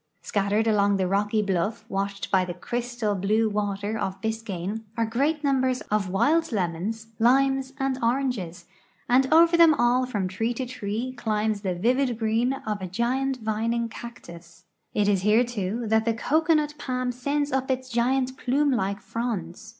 Scat tered along the rock}'' bluff, washed by the crystal blue water of Biscayne, are great numbers of wild lemons, limes, and oranges, and over them all from tree to tree climbs the vivid green of a giant vining cactus. It is here, too, that the cocoanut palm sends up its giant plume like fronds.